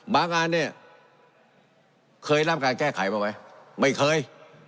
งานเนี่ยเคยร่ำการแก้ไขมาไหมไม่เคย